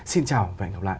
xin chào và hẹn gặp lại